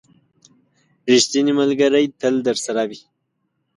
• ریښتینی ملګری تل درسره وي.